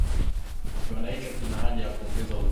Kiwanda hicho kina haja ya kuongeza uzalishaji